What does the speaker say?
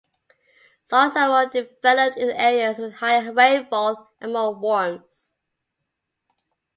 Soils are more developed in areas with higher rainfall and more warmth.